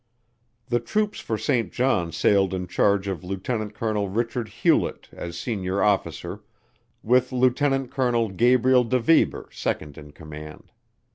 The troops for St. John sailed in charge of Lieut. Col. Richard Hewlett as senior officer, with Lieut. Col. Gabriel DeVeber second in command.